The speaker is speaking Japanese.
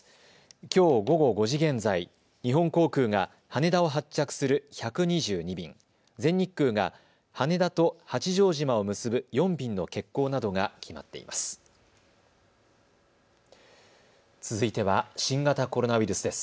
きょう午後５時現在、日本航空が羽田を発着する１２２便、全日空が羽田と八丈島を結ぶ４便の欠航などが決まっています。